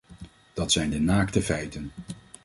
Dat zijn de naakte feiten.